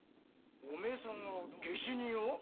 お前さんが下手人を？